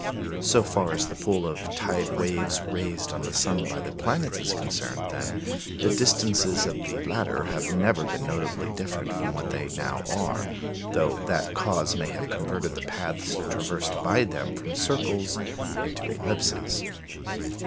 So far as the pull of tide waves raised on the sun by the planets is concerned, then, the distances of the latter have never been notably different from what they now are; though that cause may have converted the paths traversed by them from circles into ellipses.